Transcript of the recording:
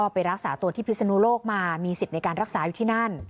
ไปรักษาตัวที่พิศนุโลกมามีสิทธิ์ในการรักษาอยู่ที่นั่น